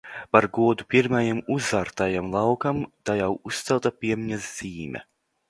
Par godu pirmajam uzartajam laukam tajā uzcelta piemiņas zīme.